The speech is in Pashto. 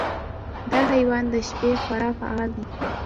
دا حیوان د شپې خورا فعال دی.